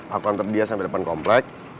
aku ngantor dia sampai depan kompleks